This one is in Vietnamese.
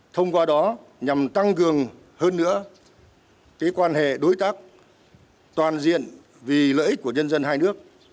thông qua đó nhằm tăng cường hơn nữa quan hệ đối tác toàn diện vì lợi ích của nhân dân hai nước